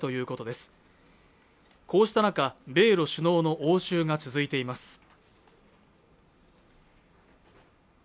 こうした中、米露首脳の応酬が続いています